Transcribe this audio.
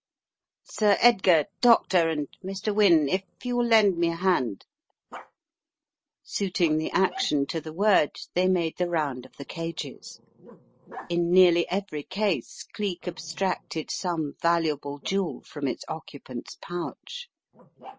Sir Edgar, Doctor, and Mr. Wynne, if you will lend me a hand " Suiting the action to the word, they made the round of the cages. In nearly every case Cleek ab stracted some valuable jewel from its occupant's pouch.